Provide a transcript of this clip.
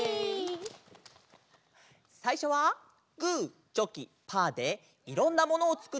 さいしょはグーチョキパーでいろんなものをつくってあそぶうた。